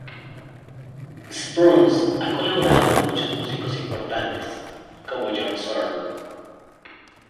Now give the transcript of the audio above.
Spruance ha colaborado con muchos músicos importantes, como John Zorn.